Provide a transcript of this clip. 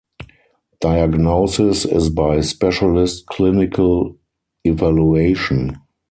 Diagnosis is by specialist clinical evaluation.